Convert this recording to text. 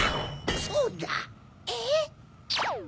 そうだ！えっ？